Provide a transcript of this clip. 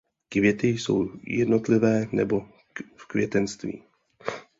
Květy jsou jednotlivé nebo v květenstvích.